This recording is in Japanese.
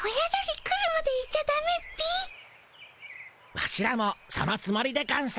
ワシらもそのつもりでゴンス。